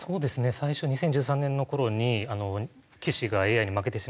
最初２０１３年の頃に棋士がＡＩに負けてしまった時はですね